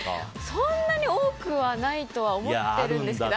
そんなに多くはないと思ってるんですけど。